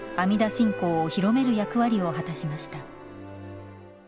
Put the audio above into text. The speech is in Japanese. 信仰を広める役割を果たしました。